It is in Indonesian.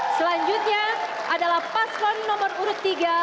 selanjutnya adalah paslon nomor urut tiga